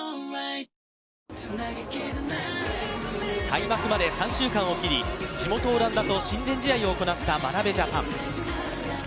開幕まで３週間を切り、地元・オランダと親善試合を行った真鍋ジャパン。